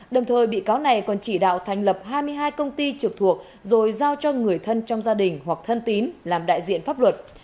đồng thời bị cáo này còn chỉ đạo thành lập hai mươi hai công ty trực thuộc rồi giao cho người thân trong gia đình hoặc thân tín làm đại diện pháp luật